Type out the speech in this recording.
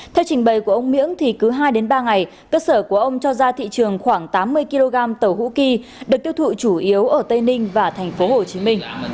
theo trình bày của ông miễng thì cứ hai ba ngày cơ sở của ông cho ra thị trường khoảng tám mươi kg tẩu hũ kỳ được tiêu thụ chủ yếu ở tây ninh và tp hcm